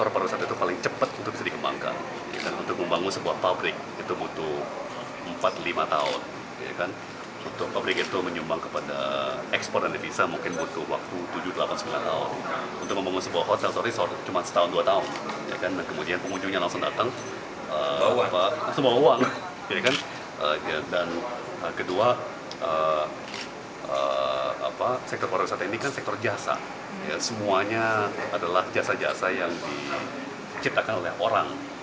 pariwisata ini kan sektor jasa semuanya adalah jasa jasa yang diciptakan oleh orang